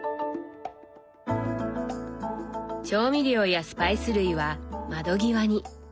調味料やスパイス類は窓際に。